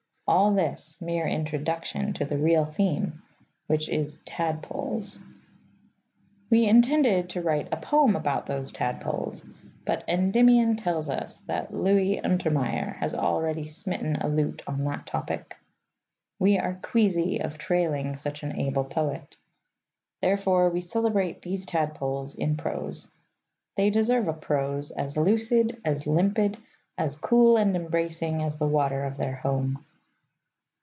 All this, mere introduction to the real theme, which is Tadpoles. We intended to write a poem about those tadpoles, but Endymion tells us that Louis Untermeyer has already smitten a lute on that topic. We are queasy of trailing such an able poet. Therefore we celebrate these tadpoles in prose. They deserve a prose as lucid, as limpid, as cool and embracing, as the water of their home.